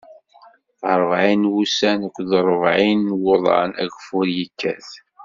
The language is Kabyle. Ṛebɛin n wussan akked ṛebɛin n wuḍan, ageffur ikkat.